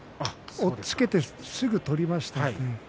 押っつけてすぐ取りました。